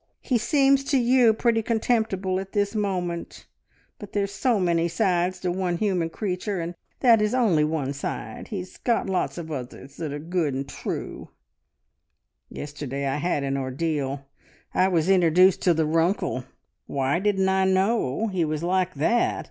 He seems to you pretty contemptible at this moment, but there's so many sides to one human creature, and that is only one side. He's got lots of others that are good and true "Yesterday I had an ordeal. I was introduced to the `Runkle.' Why didn't I know he was like that?